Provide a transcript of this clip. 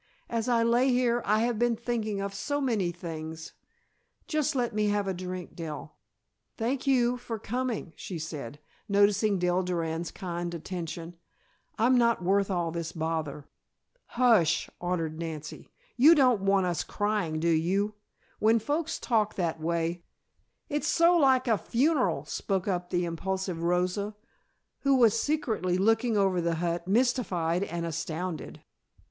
"As I lay here I have been thinking of so many things. Just let me have a drink, Dell. Thank you for coming," she said, noticing Dell Durand's kind attention. "I'm not worth all this bother." "Hush," ordered Nancy, "you don't want us crying, do you? When folks talk that way " "It's so like a funeral," spoke up the impulsive Rosa, who was secretly looking over the hut, mystified and astounded.